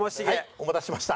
お待たせしました。